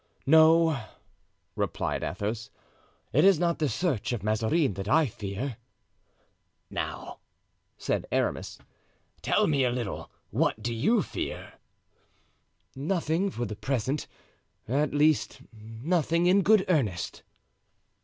"No," replied Athos, "it is not the search of Mazarin that I fear." "Now," said Aramis, "tell me a little what you do fear." "Nothing for the present; at least, nothing in good earnest."